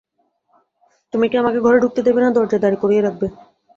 তুমি কি আমাকে ঘরে ঢুকতে দেবে, না দরজায় দাঁড় করিয়ে রাখবে?